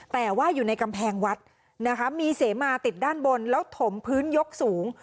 แต่ว่าอยู่ในกำแพงวัดนะคะมีเสมาติดด้านบนแล้วถมพื้นยกสูง